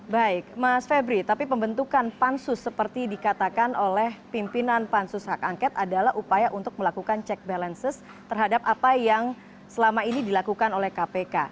baik mas febri tapi pembentukan pansus seperti dikatakan oleh pimpinan pansus hak angket adalah upaya untuk melakukan check balances terhadap apa yang selama ini dilakukan oleh kpk